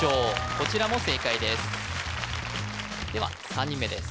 こちらも正解ですでは３人目です